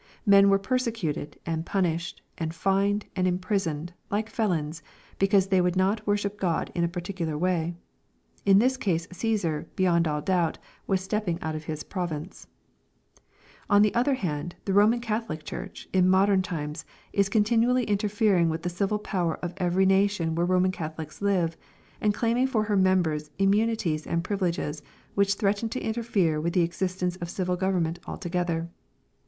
Men were persecuted, and punished, and fined, and imprisoned, Uke felons, because they would not worship God in a particular way. In this case " Caesar," beyond all doubt, was stepping out of his province On the other hand, the Roman Catholic Church, in modem times, is continually interfering with the civil power of every na tion where Roman Catholics live, and claiming for her members immunities and privileges which threaten to interfere with the ex istence of civil government altogether.